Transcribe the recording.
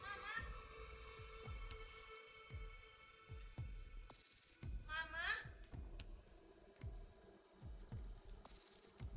jalan kung jalan se di sini ada pesta besar besaran